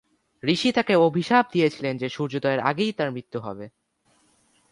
ঋষি তাকে অভিশাপ দিয়েছিলেন যে সূর্যোদয়ের আগেই তার মৃত্যু ঘটবে।